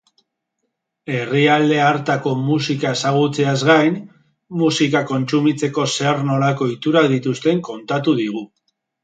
Herrialde hartako musika ezagutzeaz gain, musika kontsumitzeko zer-nolako ohiturak dituzten kontatu digu.